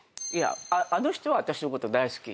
あの人は私のこと大好き。